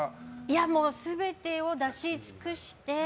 全てを出し尽くして。